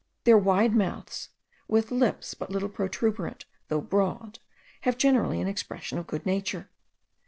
Their wide mouths, with lips but little protuberant though broad, have generally an expression of good nature.